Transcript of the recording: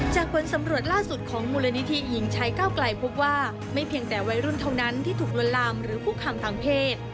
ผลสำรวจล่าสุดของมูลนิธิหญิงชัยก้าวไกลพบว่าไม่เพียงแต่วัยรุ่นเท่านั้นที่ถูกลวนลามหรือคุกคำทางเพศ